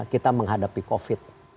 kita menghadapi covid